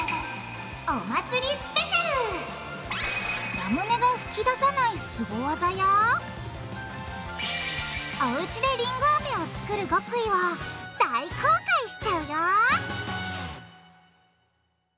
ラムネが噴き出さないスゴ技やおうちでりんごアメをつくる極意を大公開しちゃうよ！